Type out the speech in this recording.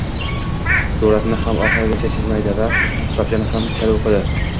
suratni ham oxirigacha chizmaydi va kitobchani ham chala o‘qidi.